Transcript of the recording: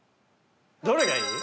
どれがいい？